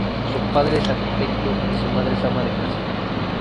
Su padre es arquitecto y su madre es ama de casa.